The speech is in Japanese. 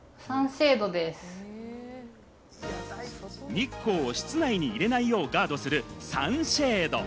日光を室内に入れないようガードするサンシェード。